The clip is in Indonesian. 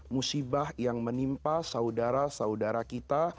musibah yang menimpa saudara saudara kita